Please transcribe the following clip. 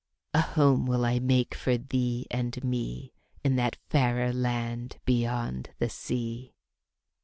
A home will I make for thee and me In that fairer land beyond the sea."